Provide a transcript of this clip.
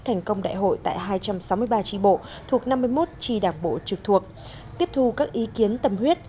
thành công đại hội tại hai trăm sáu mươi ba tri bộ thuộc năm mươi một tri đảng bộ trực thuộc tiếp thu các ý kiến tâm huyết